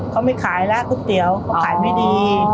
เขาไม่ขายแล้วก๋วยเตี๋ยวเขาขายไม่ดี